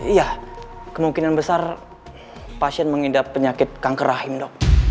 iya kemungkinan besar pasien mengidap penyakit kanker rahim dok